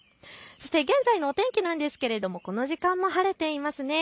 現在のお天気なんですけれどもこの時間も晴れています。